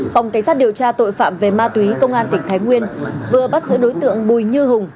phòng cảnh sát điều tra tội phạm về ma túy công an tỉnh thái nguyên vừa bắt giữ đối tượng bùi như hùng